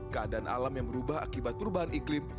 keadaan alam yang berubah akibat perubahan iklim